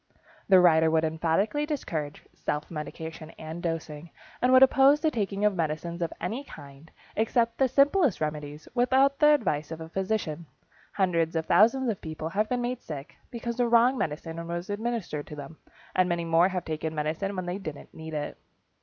The writer would emphatically discourage self medication and dosing, and would oppose the taking of medicines of any kind, except the simplest remedies, without the advice of a physician. Hundreds of thousands of people have been made sick, because the wrong medicine was administered to them, and many more have taken medicine when they didn't need it.